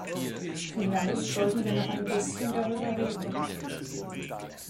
Vielleicht sollten wir noch ein bisschen darüber reden.